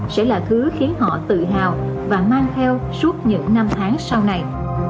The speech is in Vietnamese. sẽ là thứ khiến họ tự hào và mang theo suốt những năm tháng sau này